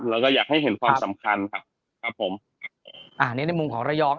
แล้วก็อยากให้เห็นความสำคัญครับครับผมอ่านี่ในมุมของระยอง